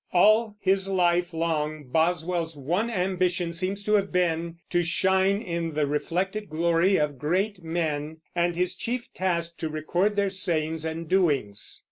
All his life long Boswell's one ambition seems to have been to shine in the reflected glory of great men, and his chief task to record their sayings and doings.